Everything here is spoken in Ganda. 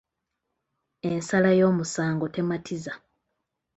Ensala y’omusango tematiza.